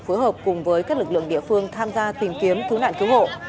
phối hợp cùng với các lực lượng địa phương tham gia tìm kiếm cứu nạn cứu hộ